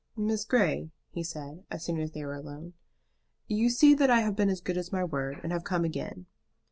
"Miss Grey," he said, as soon as they were alone, "you see that I have been as good as my word, and have come again."